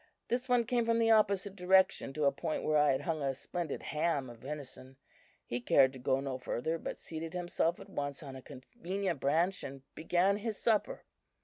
This one came from the opposite direction to a point where I had hung a splendid ham of venison. He cared to go no further, but seated himself at once on a convenient branch and began his supper.